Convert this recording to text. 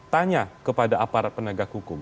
tanya kepada aparat penegak hukum